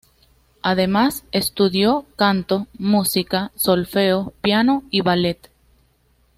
Además estudió canto, música, solfeo, piano y ballet.